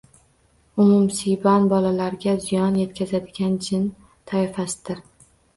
Ummusibyon bolalarga ziyon yetkazadigan jin toifasidir